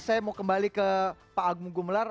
saya mau kembali ke pak agung gumelar